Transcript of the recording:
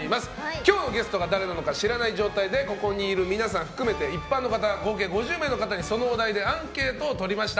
今日のゲストが誰なのか知らない状態でここにいる皆さん含めて一般の方合計５０名の方にそのお題でアンケートを取りました。